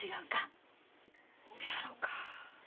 そやろか。